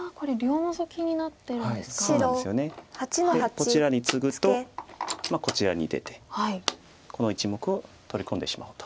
こちらにツグとこちらに出てこの１目を取り込んでしまおうと。